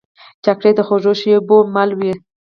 چاکلېټ د خوږو شېبو مل وي.